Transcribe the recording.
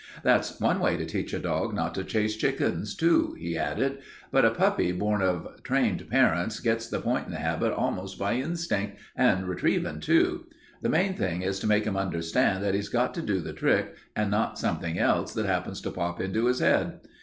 "That's one way to teach a dog not to chase chickens, too," he added. "But a puppy born of trained parents gets the pointin' habit almost by instinct, and retrievin', too. The main thing is to make him understand that he's got to do the trick and not something else that happens to pop into his head.